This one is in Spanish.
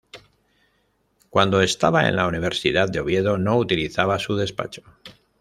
Cuando estaba en la Universidad de Oviedo no utilizaba su despacho.